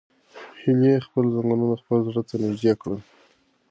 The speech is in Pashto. هیلې خپل زنګونونه خپل زړه ته نږدې کړل.